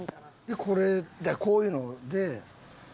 でこれこういうので。